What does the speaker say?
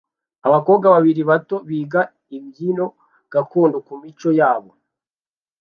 abakobwa babiri bato biga imbyino gakondo kumico yabo